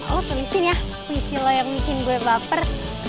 lo tulisin ya puisi lo yang bikin gue baper